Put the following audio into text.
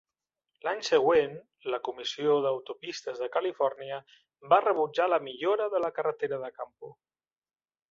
L'any següent, la Comissió d'Autopistes de Califòrnia va rebutjar la millora de la carretera de Campo.